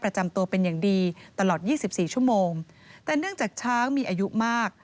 ประจำตัวเป็นอย่างดีตลอดยี่สิบสี่ชั่วโมงแต่เนื่องจากช้างมีอายุมาก